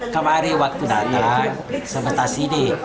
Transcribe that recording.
kemari waktu datang sebetulnya ini